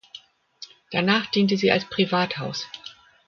Danach diente sie als Privathaus.